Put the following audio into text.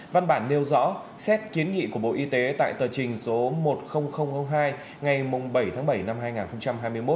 văn bản nêu rõ xét kiến nghị của bộ y tế tại tờ trình số một mươi nghìn hai ngày bảy tháng bảy năm hai nghìn hai mươi một